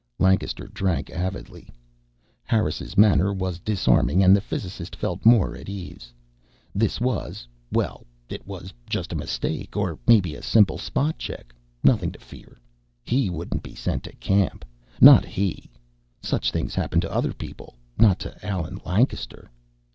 Lancaster drank avidly. Harris' manner was disarming, and the physicist felt more at ease. This was well, it was just a mistake. Or maybe a simple spot check. Nothing to fear. He wouldn't be sent to camp not he. Such things happened to other people, not to Allen Lancaster.